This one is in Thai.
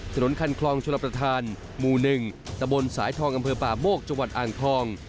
ถนนคันคลองชลประธานหมู่๑ตะบนสายทองอำเภอป่าโมกจังหวัดอ่างทอง